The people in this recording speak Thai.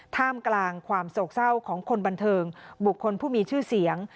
ท่ามกลางความโศกเศร้าของคนบันเทิงบุคคลผู้มีชื่อเสียง